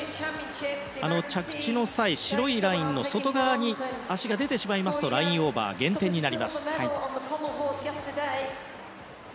着地の際、白いラインの外側に足が出てしまいますとラインオーバー、減点です。